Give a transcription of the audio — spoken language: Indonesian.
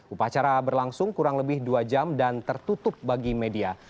upacara berlangsung kurang lebih dua jam dan tertutup bagi media